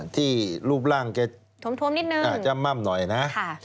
ที่รูปร่างแกจะม่ำหนึ่ง